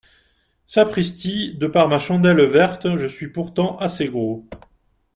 Sapristi, de par ma chandelle verte, je suis pourtant assez gros.